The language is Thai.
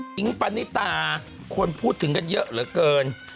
ปณิตาคนพูดถึงกันเยอะเหลือเกิน